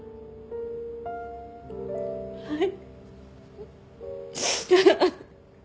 はい。